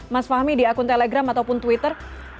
mas fahmi di akun telegram ataupun twitter